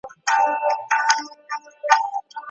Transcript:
د نورو په ژوند کې د خیر سبب وګرځئ.